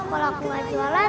kalau aku gak jualan